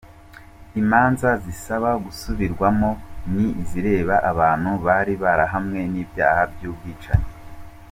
Imanza zisaba gusubirwamo ni izireba abantu bari barahamwe n’ibyaha by’ubwicanyi.